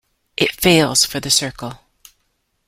It fails for the circle.